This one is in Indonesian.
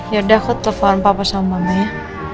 ya udah aku telepon papa sama mama ya